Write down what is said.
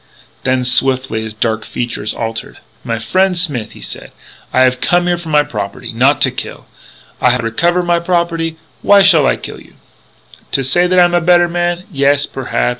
Then, swiftly his dark features altered: "My frien' Smith," he said, "I have come here for my property, not to kill. I have recover my property. Why shall I kill you? To say that I am a better man? Yes, perhaps.